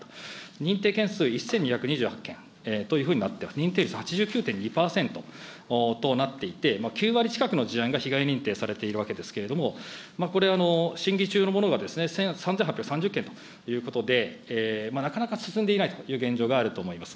認定件数１２２８件というふうになって、認定数８９．２％というふうになっていて、９割近くの事案が、被害認定されているわけですけれども、これ審議中のものが３８３０件ということで、なかなか進んでいないという現状があると思います。